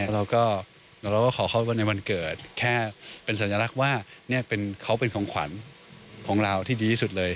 เราก็ขอเข้าไปในวันเกิดแค่เป็นสัญลักษณ์ว่าเขาเป็นของขวัญของเราที่ดีที่สุดเลย